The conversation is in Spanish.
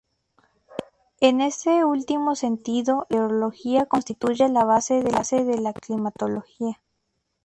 En este último sentido, la meteorología constituye la base de la climatología.